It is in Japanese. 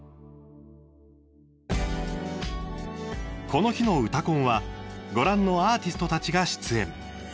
この日の「うたコン」はご覧のアーティストたちが出演。